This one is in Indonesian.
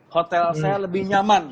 hotel saya lebih nyaman